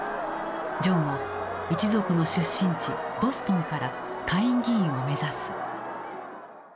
ジョンは一族の出身地ボストンから下院議員を目指す。